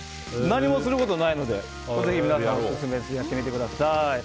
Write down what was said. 何もすることないのでぜひ皆さんオススメですのでやってみてください。